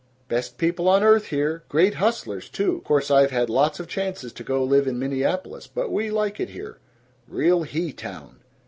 "Best people on earth here. Great hustlers, too. Course I've had lots of chances to go live in Minneapolis, but we like it here. Real he town.